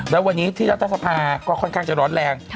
แล้ววันนี้ที่รัฐสภาก็ค่อนข้างจะร้อนแรง